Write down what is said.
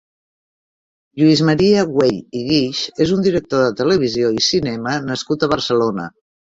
Lluís Maria Güell i Guix és un director de televisió i cinema nascut a Barcelona.